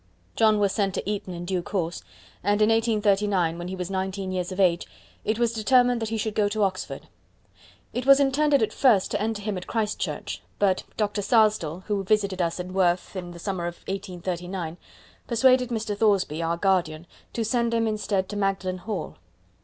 John was sent to Eton in due course, and in 1839, when he was nineteen years of age, it was determined that he should go to Oxford. It was intended at first to enter him at Christ Church; but Dr. Sarsdell, who visited us at Worth in the summer of 1839, persuaded Mr. Thoresby, our guardian, to send him instead to Magdalen Hall.